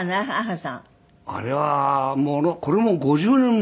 あれはこれも５０年も前に。